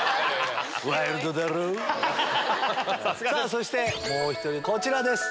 そしてもう１人こちらです。